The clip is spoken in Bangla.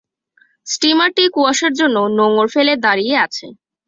ষ্টমারটি কুয়াশার জন্য নোঙর ফেলে দাঁড়িয়ে আছে।